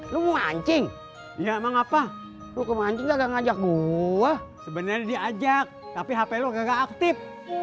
lo mau mancing ya emang apa lu kemancing aja ngajak gua sebenarnya diajak tapi hp lo nggak aktif